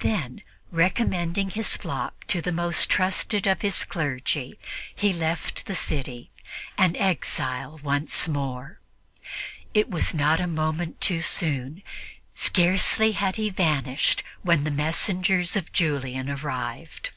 Then, recommending his flock to the most trusted of his clergy, he left the city, an exile once more. It was not a moment too soon. Scarcely had he vanished when the messengers of Julian arrived.